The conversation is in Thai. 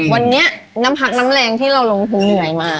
วันนี้น้ำพักน้ำแรงที่เราลงทุนเหนื่อยมา